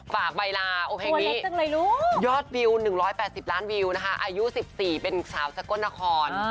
ฝากใบลาโอเพลงนี้ยอดวิว๑๘๐ล้านวิวนะคะอายุ๑๔เป็นสาวจักรนคร